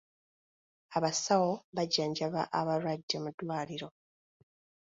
Abasawo bajjanjaba abalwadde mu ddwaliro.